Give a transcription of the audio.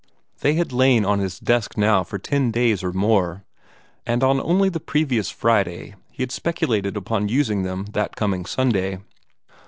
They had lain on his desk now for ten days or more, and on only the previous Friday he had speculated upon using them that coming Sunday.